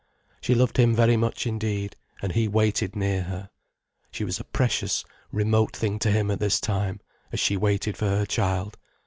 She loved him very much indeed, and he waited near her. She was a precious, remote thing to him at this time, as she waited for her child.